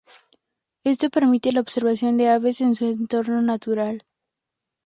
Esto permite la observación de aves en su entorno natural.